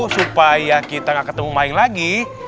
supaya kita gak ketemu main lagi